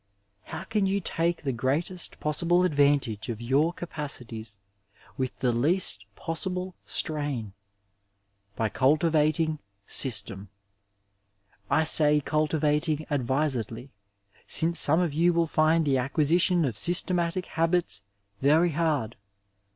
How can you take the greatest possible advantage of your capacities with the least possible strain ? By culti'* vating system. I say cultivating advisedly, since some of you will find the acquisition of systematic habits very hard.